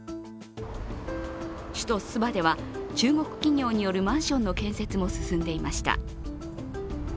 首都スバでは、中国企業によるマンションの建設も進んでいました。